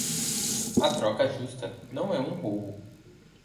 A troca justa não é um roubo.